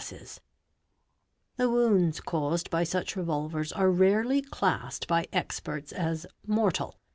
WOUNDS BY FIRE ARMS 625 The wounds caused by such revolvers are rarely classed by experts as mortal.